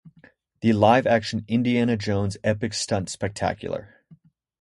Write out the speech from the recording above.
The live-action Indiana Jones Epic Stunt Spectacular!